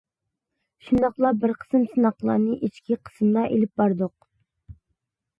شۇنداقلا بىر قىسىم سىناقلارنى ئىچكى قىسىمدا ئېلىپ باردۇق.